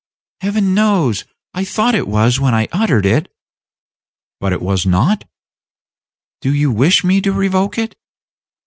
"Heaven knows I thought it was when I uttered it." "But it was not?" "Do you wish me to revoke it?"